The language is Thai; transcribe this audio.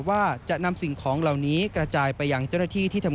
ว่าจะนำสิ่งของเหล่านี้กระจายไปยังเจ้าหน้าที่ที่ทำ